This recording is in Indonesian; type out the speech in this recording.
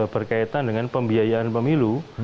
berkaitan dengan pembiayaan pemilu